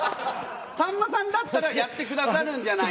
「さんまさんだったらやって下さるんじゃない？」。